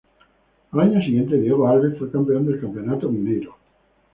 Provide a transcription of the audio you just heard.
Al año siguiente, Diego Alves fue campeón del Campeonato Mineiro.